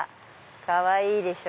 かわいいでしょ？